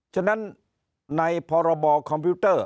ฉะนั้นในพรบคอมพิวเตอร์